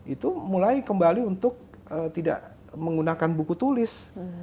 itu mulai kembali untuk tidak menggunakan buku tulis